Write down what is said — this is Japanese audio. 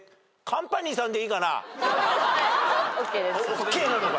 ＯＫなのか。